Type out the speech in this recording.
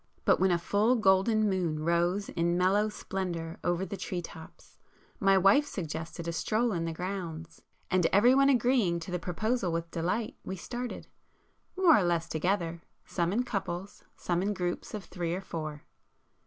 But when a full golden moon rose in mellow splendour over the tree tops, my wife suggested a stroll in the grounds, and everyone agreeing to the proposal with delight, we started,—more or less together,—some in couples, some in groups of three or four.